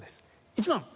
１番。